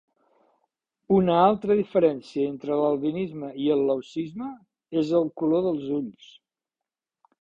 Una altra diferència entre l'albinisme i el leucisme és el color dels ulls.